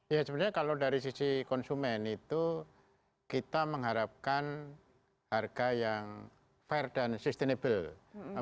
ya sebenarnya kalau dari sisi konsumen itu kita mengharapkan harga yang fair dan sustainable